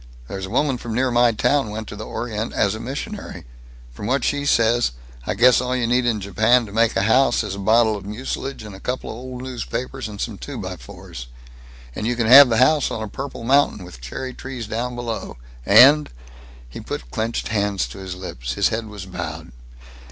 There's a woman from near my town went to the Orient as a missionary. From what she says, I guess all you need in Japan to make a house is a bottle of mucilage and a couple of old newspapers and some two by fours. And you can have the house on a purple mountain, with cherry trees down below, and " He put his clenched hand to his lips. His head was bowed.